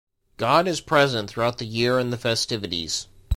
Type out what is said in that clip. God is present throughout the year in the festivities.